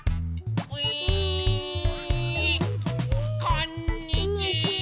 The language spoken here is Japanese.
こんにちは！